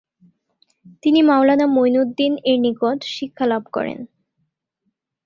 তিনি মাওলানা মইনুদ্দিন-এর নিকট শিক্ষা লাভ করেন।